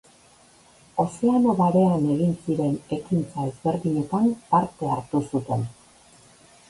Ozeano Barean egin ziren ekintza ezberdinetan parte hartu zuten.